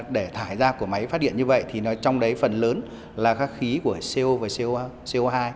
để thải ra của máy phát điện như vậy thì trong đấy phần lớn là các khí của co và co hai